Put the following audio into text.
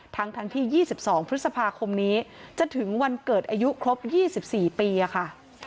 ทั้งที่๒๒พฤษภาคมนี้จะถึงวันเกิดอายุครบ๒๔ปีค่ะ